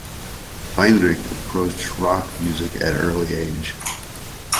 Weinrich approached rock music at early age.